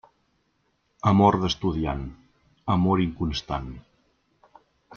Amor d'estudiant, amor inconstant.